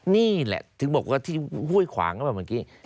นี่แหละถึงบอกว่าที่ห้วยขวางเข้ามาเมื่อกี้